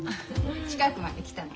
近くまで来たの。